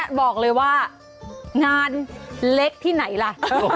พลัดพลัดบอกเลยว่างานเล็กที่ไหนล่ะ